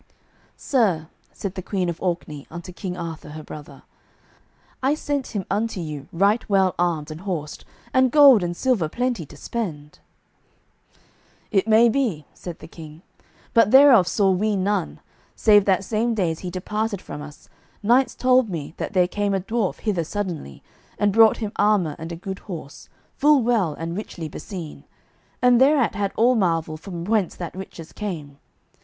"Sir," said the Queen of Orkney unto King Arthur, her brother, "I sent him unto you right well armed and horsed, and gold and silver plenty to spend." "It may be," said the King, "but thereof saw we none, save that same day as he departed from us, knights told me that there came a dwarf hither suddenly, and brought him armour and a good horse, full well and richly beseen, and thereat we had all marvel from whence that riches came.